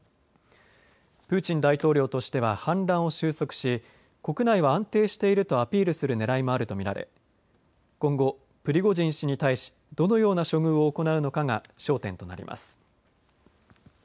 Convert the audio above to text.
プーチン大統領としては反乱を収束し国内は安定しているとアピールするねらいもあると見られ今後プリゴジン氏に対しどのような処遇を行うのかが焦点となります。